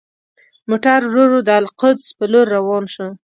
موټر ورو ورو د القدس په لور روان شو.